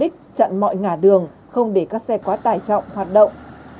chặn mọi ngả đường không để các xe quá tải trọng hoạt động